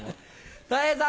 たい平さん。